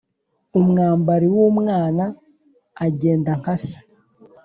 Umwambari w’umwana agenda nka se.